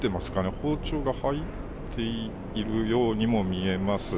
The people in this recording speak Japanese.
包丁が入っているようにも見えます。